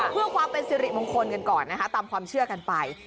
เพื่อความเป็นสิริมงคลกันก่อนนะคะตามความเชื่อกันไป